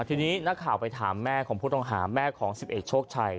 ทีนี้นักข่าวไปถามแม่ของผู้ต้องหาแม่ของ๑๑โชคชัย